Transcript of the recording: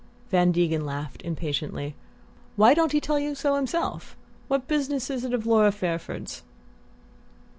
Van Degen laughed impatiently. "Why don't he tell you so himself? What business is it of Laura Fairford's?"